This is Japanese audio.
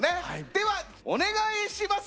ではお願いします！